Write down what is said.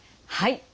はい。